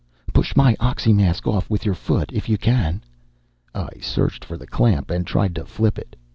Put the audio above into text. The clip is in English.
"Push my oxymask off with your foot, if you can." I searched for the clamp and tried to flip it.